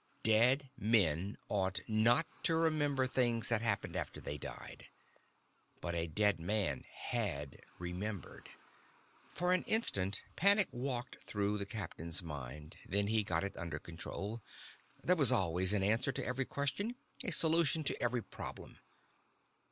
Dead men ought not to remember things that happened after they died. But a dead man had remembered! For an instant panic walked through the captain's mind. Then he got it under control. There was always an answer to every question, a solution to every problem.